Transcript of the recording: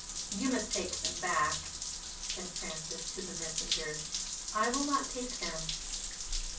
"You must take them back," said Francis to the messengers; "I will not take them."